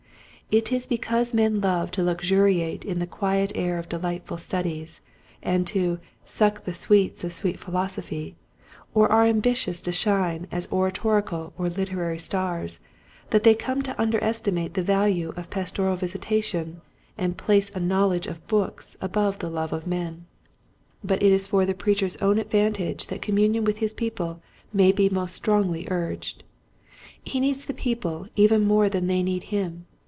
It is because men love to luxuriate in the "quiet air of delightful studies," and " to suck the sweets of sweet philosophy " or are ambitious to shine as oratorical or literary stars that they come to underestimate the value of pastoral visitation and place a knowledge of books above the love of men. Near to Mert Near to God. 195 But it is for the preacher's own advan tage that communion with his people may be most strongly urged. He needs the people even more than they need him.